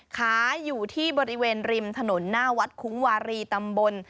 ขายอยู่ที่บริเวณริมถนนหน้าวัดคุ้งวารีตำบล